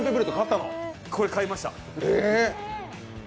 これ買いました。